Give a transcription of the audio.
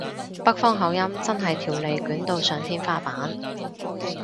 北方口音真係條脷捲到上天花板